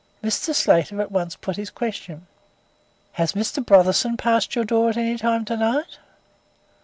Mr. Slater at once put his question: "Has Mr. Brotherson passed your door at any time to night?"